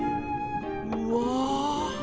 うわ！